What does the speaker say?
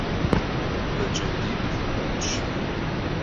Becendibğu k'uenş.